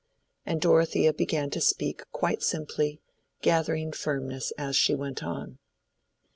And Dorothea began to speak quite simply, gathering firmness as she went on.